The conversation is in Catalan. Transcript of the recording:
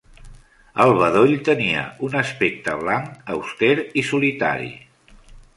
El bedoll tenia un aspecte blanc auster i solitari.